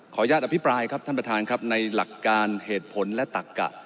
อนุญาตอภิปรายครับท่านประธานครับในหลักการเหตุผลและตักกะ